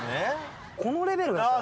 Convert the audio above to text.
このレベルですから。